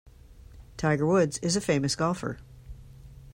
Tiger Woods is a famous golfer.